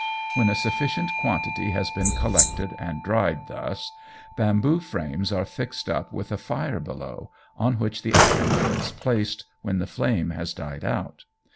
When a sufficient quantity has been collected and dried thus, bamboo frames are fixed up with a fire below, on which the aconite is placed when the flame has died out.